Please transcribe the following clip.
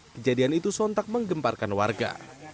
kejadian itu sontak menggemparkan warga